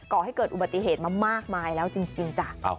ก่อให้เกิดอุบัติเหตุมามากมายแล้วจริงจ้ะ